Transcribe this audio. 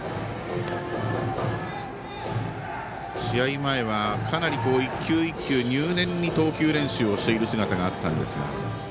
試合前はかなり１球１球入念に投球練習をしている姿があったんですが。